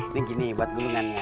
ini gini buat gulungannya